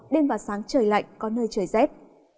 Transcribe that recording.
đêm và sáng trời lạnh có nơi trời rét